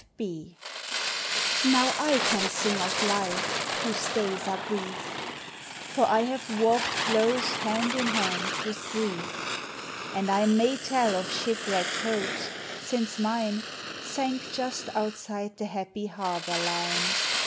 F. B._ _NOW I can sing of life, whose days are brief, For I have walked close hand in hand with grief. And I may tell of shipwrecked hopes, since mine Sank just outside the happy harbor line.